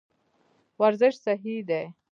ورزش صحي دی.